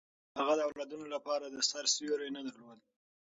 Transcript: هغه د اولادونو لپاره د سر سیوری نه درلود.